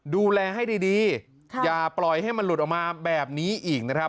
ดูแลให้ดีอย่าปล่อยให้มันหลุดออกมาแบบนี้อีกนะครับ